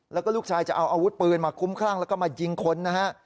แล้วก็ลูกชายจะเอาอาวุธปืนมาคุ้มคลั่งแล้วก็มายิงคนนะฮะ